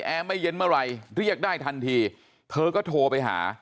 แอร์ไม่เย็นเมื่อไหร่เรียกได้ทันทีเธอก็โทรไปหา